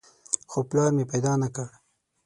خو پلار مې پیدا نه کړ.